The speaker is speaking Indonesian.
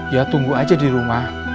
ya tunggu aja di rumah